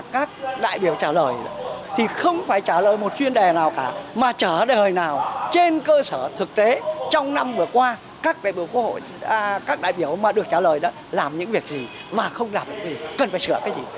các đại biểu trả lời thì không phải trả lời một chuyên đề nào cả mà trả lời nào trên cơ sở thực tế trong năm vừa qua các đại biểu mà được trả lời đó làm những việc gì và không làm những việc gì cần phải sửa cái gì